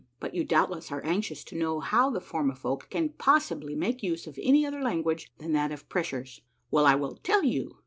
But you doubtless are anxious to know how the Formifolk can possibly make use of any other language than that of pressures. Well, I will tell you.